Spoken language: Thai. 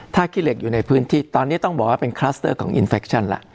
ถ้าขี้เหล็กอยู่ในพื้นที่ตอนนี้ต้องบอกว่าเป็นคลัสเตอร์ของอินเฟคชั่นแล้ว